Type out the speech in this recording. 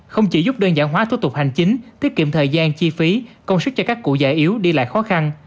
không chỉ giúp đơn giản hóa thuật tục hành chính thiết kiệm thời gian chi phí công suất cho các cụ dạ yếu đi lại khó khăn